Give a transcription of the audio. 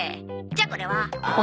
じゃあこれは？